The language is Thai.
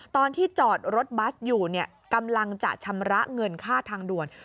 ตอนที่จอดรถบัสอยู่กำลังจะชำระเงินค่าทางด่วน